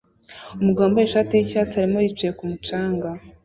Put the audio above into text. Umugabo wambaye ishati yicyatsi arimo yicaye kumu canga